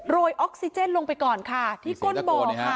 โรยออกซิเจนลงไปก่อนในก้นบ่อ